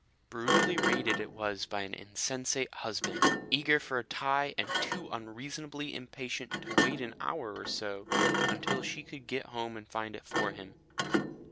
Brutally raided it was by an insensate husband, eager for a tie and too unreasonably impatient to wait an hour or so until she could get home and find it for him.